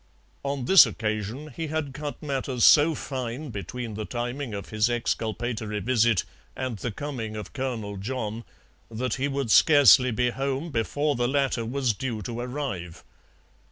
On this occasion he had cut matters so fine between the timing of his exculpatory visit and the coming of Colonel John, that he would scarcely be home before the latter was due to arrive.